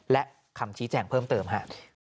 และคำชี้แจ่งเพิ่มเติมฮะ